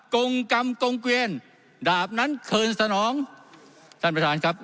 กงกรรมกงเกวียนดาบนั้นคืนสนองท่านประธานครับ